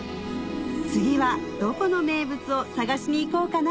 次はどこの名物を探しに行こうかな？